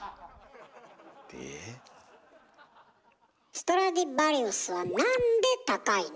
ストラディヴァリウスはなんで高いの？